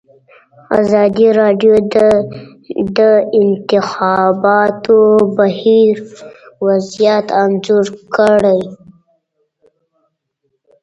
ازادي راډیو د د انتخاباتو بهیر وضعیت انځور کړی.